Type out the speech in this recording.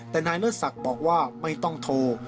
แต่นายเลิศศักดิ์บอกว่าไม่ต้องโทร